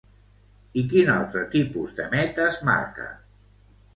I quin altre tipus de metes marca?